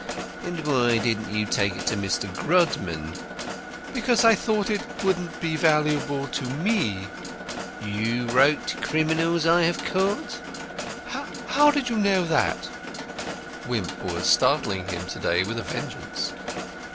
"And why didn't you take it to Mr. Grodman?" "Because I thought it wouldn't be valuable to me." "You wrote Criminals I have Caught?" "How how do you know that?" Wimp was startling him to day with a vengeance.